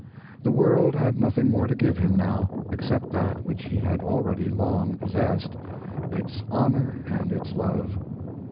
The world had nothing more to give him now except that which he had already long possessed its honor and its love.